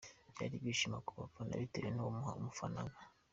Byari ibyishimo ku bafana bitewe nuwo bafanaga.